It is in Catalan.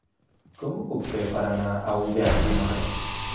Com ho puc fer per anar a Ullà dimarts?